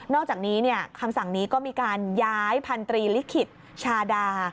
อกจากนี้คำสั่งนี้ก็มีการย้ายพันธรีลิขิตชาดา